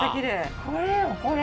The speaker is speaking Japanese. これよこれ。